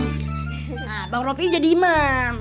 nah bang rofi jadi imam